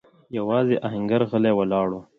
يواځې آهنګر غلی ولاړ و.